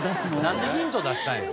なんでヒント出したんや。